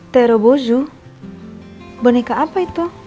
terobotjuh boneka apa itu